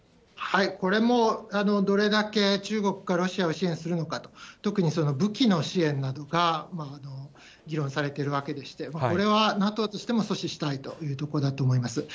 これもどれだけ中国がロシアを支援するのかと、特に武器の支援などが議論されているわけでして、これはＮＡＴＯとしても阻止したいというところだと思います。